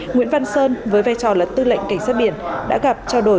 nguyễn văn sơn với vai trò là tư lệnh cảnh sát biển đã gặp trao đổi